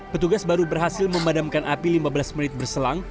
petugas baru berhasil memadamkan api lima belas menit berselang